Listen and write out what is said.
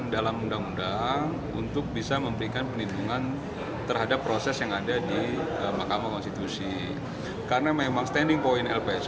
dalam proses sengketa pilpres